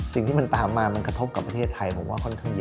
สิ่งที่มันตามมามันกระทบกับประเทศไทยผมว่าค่อนข้างเยอะ